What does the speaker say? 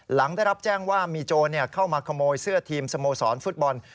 หลังได้รับแจ้งว่ามีโจรเข้ามาขโมยเสื้อทีมสโมสรฟุตบอล